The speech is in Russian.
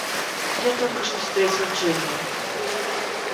Я только что встретил Джимми.